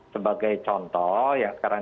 sebagai contoh yang sekarang